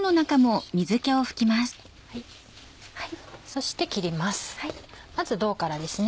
そして切ります